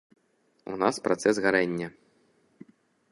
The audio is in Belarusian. У нас працэс гарэння.